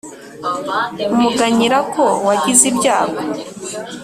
umuganyira ko wagize ibyago.